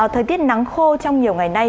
thời tiết nắng khô trong nhiều ngày nay